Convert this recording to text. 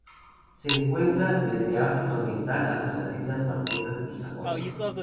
Se encuentra desde el África Oriental hasta las Islas Marquesas y Hawaii